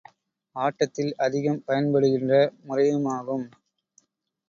ஆட்டத்தில் அதிகம் பயன்படுகின்ற முறையுமாகும்.